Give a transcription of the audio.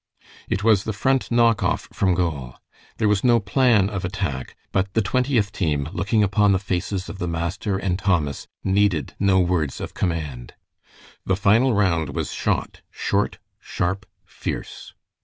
It was the Front knock off from goal. There was no plan of attack, but the Twentieth team, looking upon the faces of the master and Thomas, needed no words of command. The final round was shot, short, sharp, fierce.